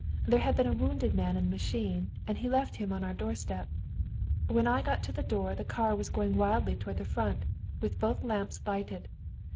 There had been a wounded man in the machine, and he left him on our doorstep. When I got to the door the car was going wildly toward the Front, with both lamps lighted.